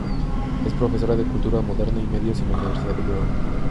Es profesora de Cultura Moderna y Medios en la Universidad Brown.